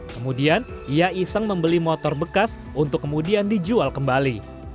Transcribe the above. kemudian ia iseng membeli motor bekas untuk kemudian dijual kembali